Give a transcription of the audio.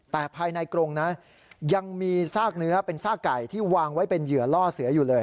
แต่ภายในกรงนะยังมีซากเนื้อเป็นซากไก่ที่วางไว้เป็นเหยื่อล่อเสืออยู่เลย